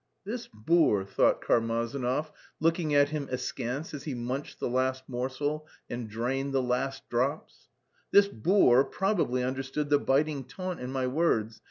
"This boor," thought Karmazinov, looking at him askance as he munched the last morsel and drained the last drops "this boor probably understood the biting taunt in my words...